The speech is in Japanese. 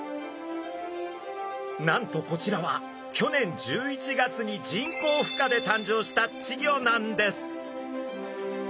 なんとこちらは去年１１月に人工ふ化で誕生した稚魚なんです。